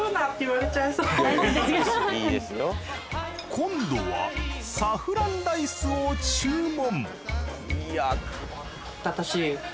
今度はサフランライスを注文。